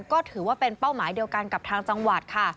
ก็ถือว่าเป็นเป้าหมายเดียวกันกับทางจังหวัดค่ะ